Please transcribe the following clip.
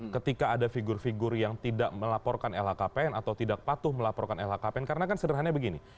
ketika ada figur figur yang tidak melaporkan lhkpn atau tidak patuh melaporkan lhkpn karena kan sederhananya begini